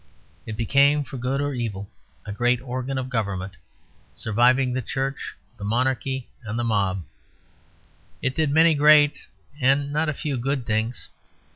It became, for good or evil, a great organ of government, surviving the Church, the monarchy and the mob; it did many great and not a few good things.